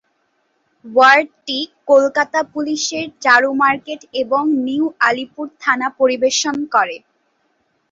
ওয়ার্ডটি কলকাতা পুলিশের চারু মার্কেট এবং নিউ আলিপুর থানা পরিবেশন করে।